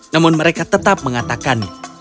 namun mereka tetap mengatakannya